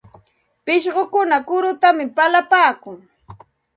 Pishqukuna kurutam palipaakun.